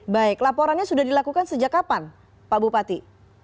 baik laporannya sudah dilakukan sejak kapan pak bupati